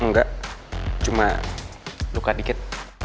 enggak cuma luka dikit